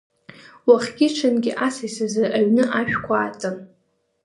Уахгьы-ҽынгьы асас изы аҩны ашәқәа аатын.